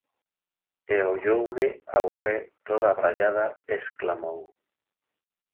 E olloume, abofé, toda abraiada, e exclamou: